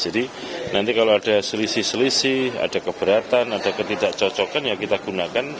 jadi nanti kalau ada selisih selisih ada keberatan ada ketidakcocokan ya kita gunakan